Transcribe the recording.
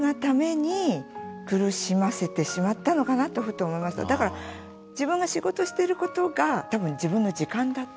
自分が仕事してることが多分自分の時間だったんだと思う。